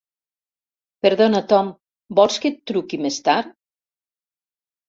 Perdona Tom, vols que et truqui més tard?